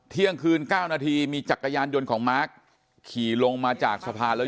เที่ยงคืนเก้านาทีมีจักรยานยนต์ของมาร์คขี่ลงมาจากสะพานแล้ว